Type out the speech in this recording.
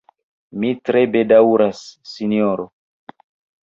Mi tre bedaŭras, Sinjoro.